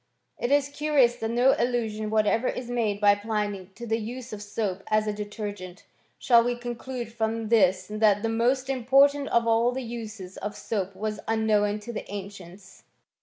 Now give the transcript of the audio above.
* It is curious that no allusion whatever is made by Pliny to the use of soap as a detergent ; shall we con elude from this that the most important of all the uses of soap was unknown to the ancients?